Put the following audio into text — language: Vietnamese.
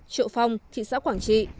trựu phong thị xã quảng trị